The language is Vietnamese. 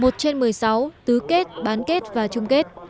một trên một mươi sáu tứ kết bán kết và chung kết